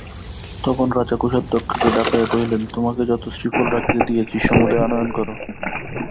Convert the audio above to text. তখন রাজা কোষাধ্যক্ষকে ডাকাইয়া কহিলেন, তোমাকে যত শ্রীফল রাখিতে দিয়াছি সমূদয় আনয়ন কর।